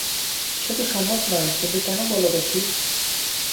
সে তো সম্ভব নয়, কিন্তু কেন বলো দেখি।